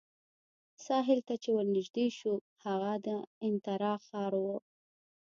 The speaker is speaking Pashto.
ساحل ته چې ورنژدې شوو، هغه د انترا ښار وو.